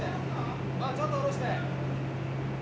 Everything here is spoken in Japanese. ちょっと下ろして。